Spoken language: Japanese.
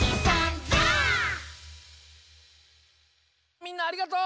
みんなありがとう！